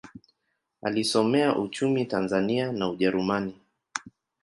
Alisomea uchumi Tanzania na Ujerumani.